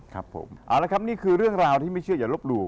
ครับผมนี่คือเรื่องราวที่ไม่เชื่ออย่ารบหลู่